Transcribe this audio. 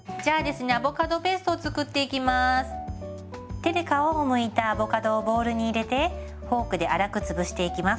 手で皮をむいたアボカドをボウルに入れてフォークで粗く潰していきます。